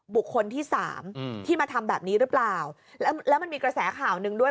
บุคคลที่สามอืมที่มาทำแบบนี้หรือเปล่าแล้วแล้วมันมีกระแสข่าวหนึ่งด้วย